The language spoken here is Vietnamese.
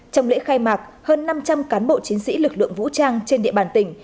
trong lễ khai mạc hơn năm trăm linh cán bộ chiến sĩ lực lượng vũ trang trên địa bàn tỉnh